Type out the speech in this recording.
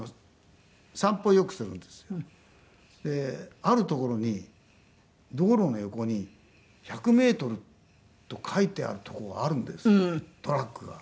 あるところに道路の横に１００メートルと書いてあるとこがあるんですよトラックが。